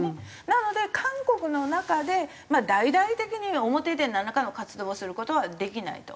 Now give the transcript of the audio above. なので韓国の中で大々的に表でなんらかの活動をする事はできないと。